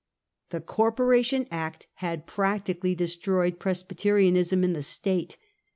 The Corporation Act had practically destroyed Pres byterianism in the State.